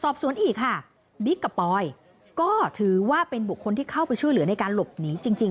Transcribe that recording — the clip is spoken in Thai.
สอบสวนอีกค่ะบิ๊กกับปอยก็ถือว่าเป็นบุคคลที่เข้าไปช่วยเหลือในการหลบหนีจริง